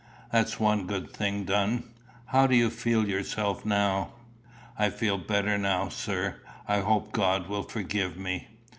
That's one good thing done. How do you feel yourself now?" "I feel better now, sir. I hope God will forgive me."